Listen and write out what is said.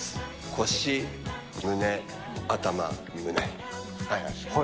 腰、胸、頭、胸。